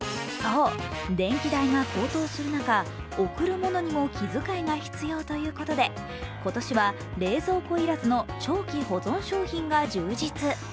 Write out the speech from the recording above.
そう、電気代が高騰する中贈るものにも気遣いが必要ということで今年は冷蔵庫要らずの長期保存商品が充実。